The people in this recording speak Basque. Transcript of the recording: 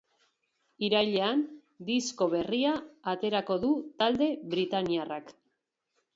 Irailean, disko berria aterako du talde britainiarrak.